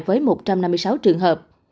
với một trăm năm mươi sáu trường hợp